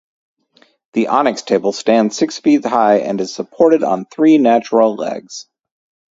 The onyx table stands six feet high and is supported on three natural legs.